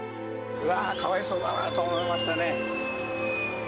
うわー、かわいそうだなと思いましたね。